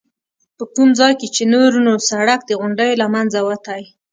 په کوم ځای کې چې نور نو سړک د غونډیو له منځه وتی.